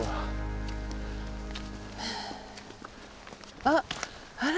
あっあら？